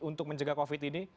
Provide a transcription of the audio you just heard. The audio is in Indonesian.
untuk mencegah covid ini